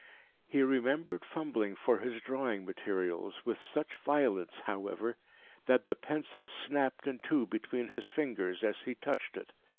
He remembered fumbling for his drawing materials, with such violence, however, that the pencil snapped in two between his fingers as he touched it.